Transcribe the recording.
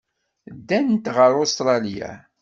Ddant ɣer Ustṛalya.